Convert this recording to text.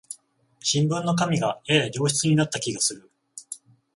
新聞の紙がやや上質になった気がする